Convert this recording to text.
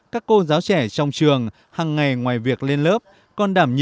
để chăm sóc với hy vọng